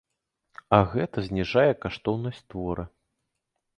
А гэта зніжае каштоўнасць твора.